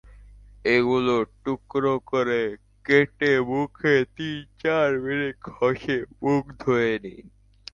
এগুলো টুকরো করে কেটে মুখে তিন-চার মিনিট ঘষে, মুখ ধুয়ে নিন।